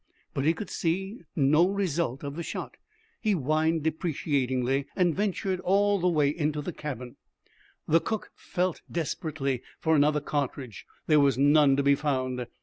But he could see no result of the shot. He whined deprecatingly and ventured all the way into the cabin. The cook felt desperately for another cartridge. There was none to be found.